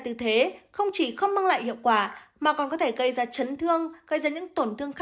tư thế không chỉ không mang lại hiệu quả mà còn có thể gây ra chấn thương gây ra những tổn thương